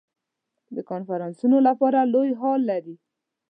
د کنفرانسونو لپاره لوی هال لري.